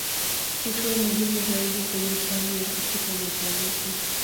Kituo muhimu zaidi kwenye pwani ya Afrika mashariki